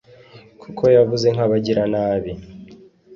kuko yavuze nk'abagiranabi